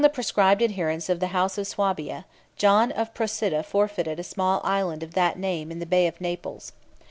] Among the proscribed adherents of the house of Swabia, John of Procida forfeited a small island of that name in the Bay of Naples.